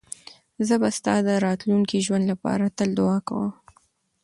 زه به ستا د راتلونکي ژوند لپاره تل دعاګانې کوم.